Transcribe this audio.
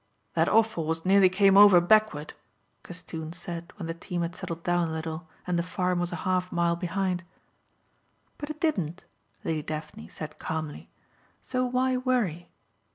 "That off horse nearly came over backward," Castoon said when the team had settled down a little and the farm was a half mile behind. "But it didn't," Lady Daphne said calmly, "so why worry?"